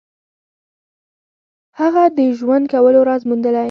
هغه د ژوند کولو راز موندلی.